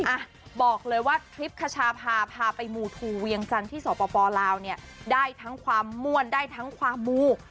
อ่ะบอกเลยว่าทริปคชาพาพาไปมูทูเวียงจันทร์ที่สปลาวเนี่ยได้ทั้งความม่วนได้ทั้งความมู